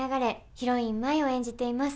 ヒロイン舞を演じています。